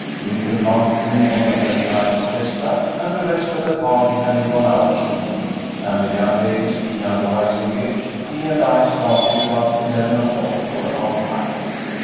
Lynton mounted me on a very nice chestnut, and the rest of the party having gone out shooting, and the young ladies being otherwise engaged, he and I started about eleven o'clock for our ride.